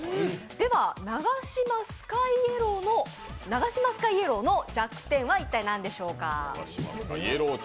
では、ナガシマスカイイエローの弱点は一体、何でしょうか？